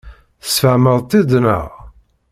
Tesfehmeḍ-tt-id, naɣ?